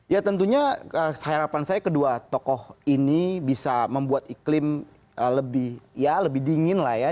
ya tentunya harapan saya kedua tokoh ini bisa membuat iklim lebih ya lebih dingin lah ya